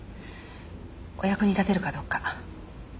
お役に立てるかどうか。